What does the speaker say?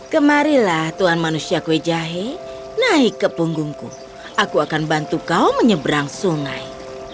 kemarilah tuhan manusia kue jahe naik ke punggungku aku akan bantu kau menyeberang sungai